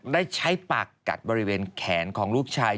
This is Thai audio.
ได้ใช้ปากกัดบริเวณแขนของลูกชาย